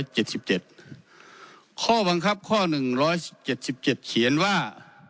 ร้อยเจ็ดสิบเจ็ดข้อบังคับข้อหนึ่งร้อยเจ็ดสิบเจ็ดเขียนว่า